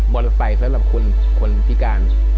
มอเตอร์ไตสำหรับคนพิการ